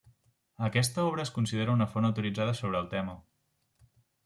Aquesta obra es considera una font autoritzada sobre el tema.